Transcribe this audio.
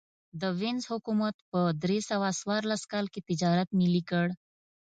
د وینز حکومت په درې سوه څوارلس کال کې تجارت ملي کړ